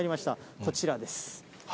こちらです。